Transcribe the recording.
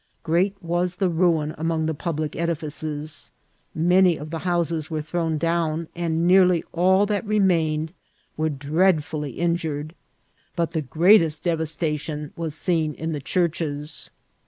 Great was the ruin among the public edifices ; many of the houses were thrown down, and nearly all that remained were dreadfully in jured ; but the greatest devastation was seen in the churches."